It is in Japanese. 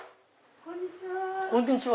こんにちは。